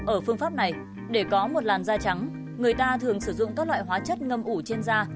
ở phương pháp này để có một làn da trắng người ta thường sử dụng các loại hóa chất ngâm ủ trên da